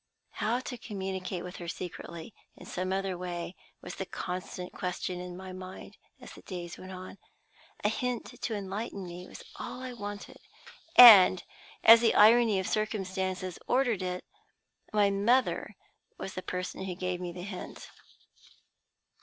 How to communicate with her secretly, in some other way, was the constant question in my mind as the days went on. A hint to enlighten me was all that I wanted; and, as the irony of circumstances ordered it, my mother was the person who gave me the hint.